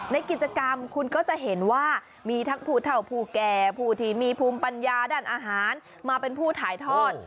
ในกิจกรรมคุณก็จะเห็นว่ามีทั้งผู้เท่าผู้แก่ผู้ที่มีภูมิปัญญาด้านอาหารมาเป็นผู้ถ่ายทอด